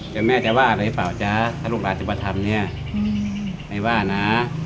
เจ้าแม่จะว่าอะไรหรือเปล่าจ๊ะถ้าลูกหลานจะมาทำเนี่ยไม่ว่านะ